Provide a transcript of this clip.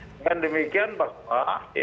dengan demikian bahwa